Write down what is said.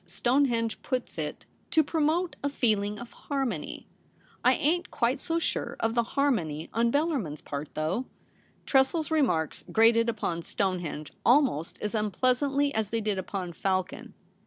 271 Stonehenge puts it, to promote a feeling of harmony. I ain't quite so sure of the har mony on Bellarmin's part, though.' Tressel's remarks grated upon Stonehenge almost as unpleasantly as they did upon Falcon.